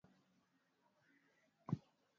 Matembele huweza kuliwa kwa viazi mviringo